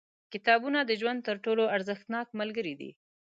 • کتابونه د ژوند تر ټولو ارزښتناک ملګري دي.